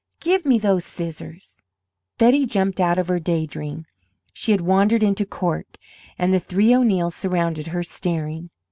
"Give me those scissors!" Betty jumped out of her day dream. She had wandered into "Cork" and the three O'Neills surrounded her, staring.